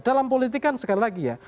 dalam politik kan sekali lagi ya